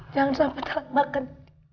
jangan sampai telat makan